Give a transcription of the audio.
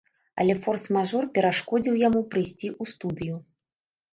Але форс-мажор перашкодзіў яму прыйсці ў студыю.